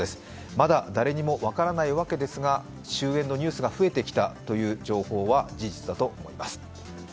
まだ誰にも分からないわけですが終えんのニュースが増えてきたという情報は事実だと思います。